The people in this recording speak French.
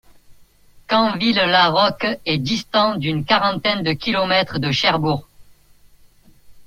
Canville-la-Rocque est distant d'une quarantaine de kilomètres de Cherbourg.